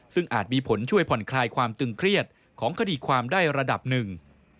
ซึ่งอาจมีผลช่วยผ่อนคลายความตึงเครียดของคดีความได้ระดับหนึ่ง